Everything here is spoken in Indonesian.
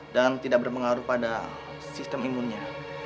dan tidak berpengaruh pada sistem imunnya